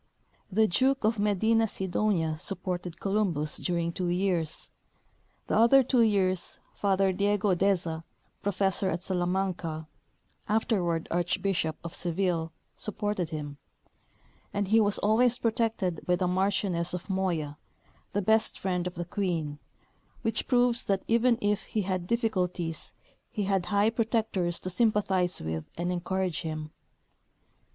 The Duke of Medinasidonia supported Columbus during two years ; the other two years Father Diego Deza, professor at Salamanca, afterward Archbishop of Seville, supported him ; and he was always protected by the Marchioness of Moya, the best friend of the Queen, which proves that even if he had difficulties he had high protectors to sympathize with and encourage him.